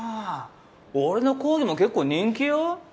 俺の講義も結構人気よ。